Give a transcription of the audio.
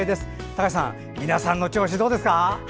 高橋さん皆さんの調子どうですか？